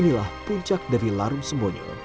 inilah puncak dari larung sembonyo